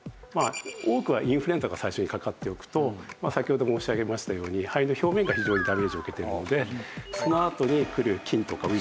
多くはインフルエンザが最初にかかっておくと先ほど申し上げましたように肺の表面が非常にダメージを受けているのでそのあとに来る菌とかウイルスが非常にかかりやすい。